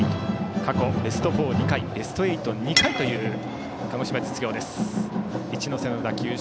過去ベスト４、２回ベスト８、２回という鹿児島実業です。